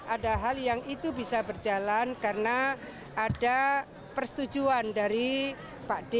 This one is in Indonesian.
ada hal yang itu bisa berjalan karena ada persetujuan dari pak d